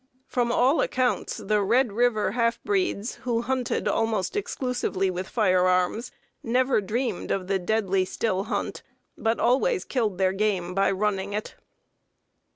From all accounts, the Red River half breeds, who hunted almost exclusively with fire arms, never dreamed of the deadly still hunt, but always killed their game by "running" it.